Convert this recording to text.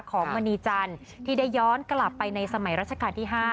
มณีจันทร์ที่ได้ย้อนกลับไปในสมัยรัชกาลที่๕